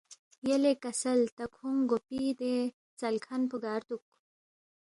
یلے کسل تا کھونگ گوپی دے ژَل کھن پو گار دُوک